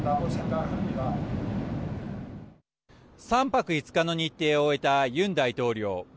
３泊５日の日程を終えたユン大統領。